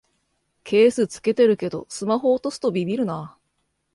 ケース付けてるけどスマホ落とすとビビるな